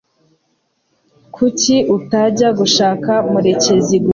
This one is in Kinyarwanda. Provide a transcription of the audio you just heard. Kuki utajya gushaka murekezi gusa?